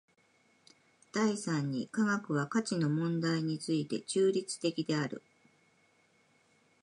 第三に科学は価値の問題について中立的である。